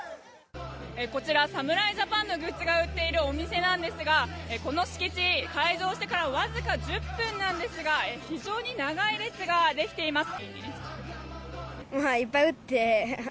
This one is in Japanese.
こちら、侍ジャパンのグッズが売っているお店ですがこの敷地、開場してからわずか１０分なんですが非常に長い列ができています。